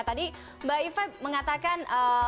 tadi mbak ifah mengatakan